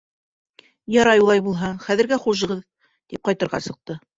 — Ярай улай булһа, хәҙергә хушығыҙ, — тип ҡайтырға сыҡты.